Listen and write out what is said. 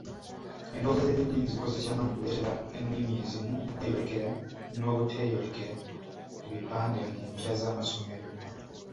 Endowooza z'ebyeddiini zikoze ky'amaanyi okuleetera ennimi ezimu okweyolekera n'obuteeyolekera ku bipande mu mpya z'amasomero.